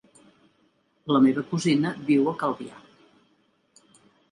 La meva cosina viu a Calvià.